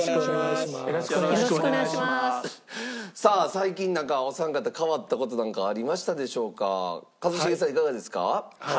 最近なんかお三方変わった事なんかありましたでしょうか？